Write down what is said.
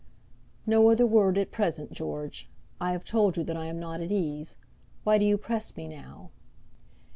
"No other word, at present, George; I have told you that I am not at ease. Why do you press me now?"